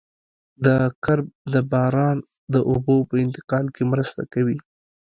دا کرب د باران د اوبو په انتقال کې مرسته کوي